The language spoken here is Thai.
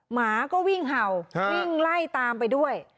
หมาก็วิ่งเห่าวิ่งไล่ตามไปด้วย